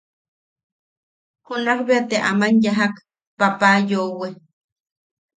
Junakbea te aman yajak papa yoʼowe.